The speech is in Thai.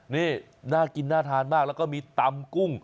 นี่น่ากินน่าทานมากแล้วก็มีตำกุ้ง